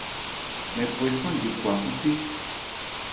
Mɛn khwɛn sánje khwa khúthé.